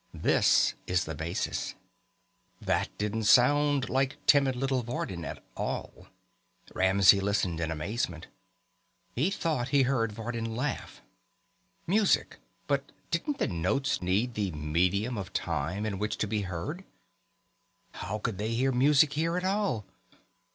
This is the basis." That didn't sound like timid little Vardin at all. Ramsey listened in amazement. He thought he heard Vardin laugh. Music. But didn't the notes need the medium of time in which to be heard? How could they hear music here at all?